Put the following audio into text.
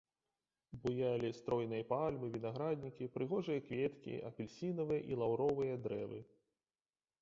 Буялі стройныя пальмы, вінаграднікі, прыгожыя кветкі, апельсінавыя і лаўровыя дрэвы.